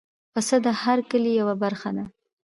پسه د هر کلي یو برخه ده.